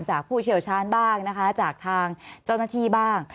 ผู้เชี่ยวชาญบ้างนะคะจากทางเจ้าหน้าที่บ้าง